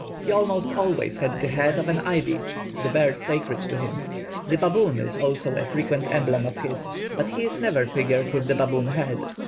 He almost always has the head of an ibis, the bird sacred to him. The baboon is also a frequent emblem of his, but he is never figured with the baboon head.